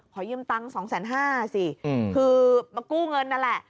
ขอยืมตังค์๒๕๐๐สิคือมากู้เงินนั่นแหละ